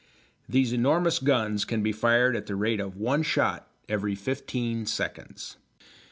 These enormous guns can be fired at the rate of one shot every fifteen seconds.